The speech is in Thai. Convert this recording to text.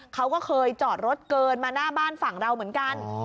เขาก็เคยจอดรถเกินมาหน้าบ้านฝั่งเราเหมือนกัน